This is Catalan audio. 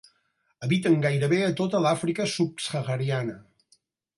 Habiten gairebé a tota l'Àfrica subsahariana.